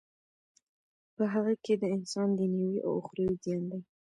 په هغه کی د انسان دینوی او اخروی زیان دی.